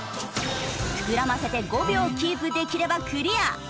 膨らませて５秒キープできればクリア！